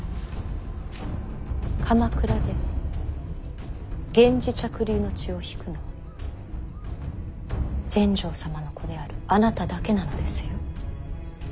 鎌倉で源氏嫡流の血を引くのは全成様の子であるあなただけなのですよ。